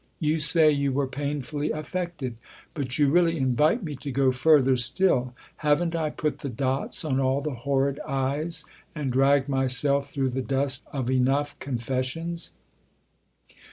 " You say you were painfully affected ; but you really invite me to go further still. Haven't I put the dots on all the horrid i's and dragged myself through the dust of enough confessions